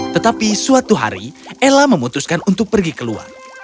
tetapi suatu hari ella memutuskan untuk pergi keluar